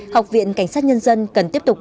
học viện cảnh sát nhân dân cần tiếp tục